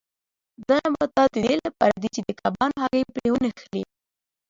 دا نباتات د دې لپاره دي چې د کبانو هګۍ پرې ونښلي.